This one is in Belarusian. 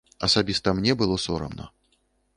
Асабіста мне было сорамна.